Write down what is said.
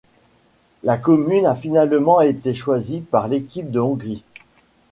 La commune a finalement été choisie par l'équipe de Hongrie.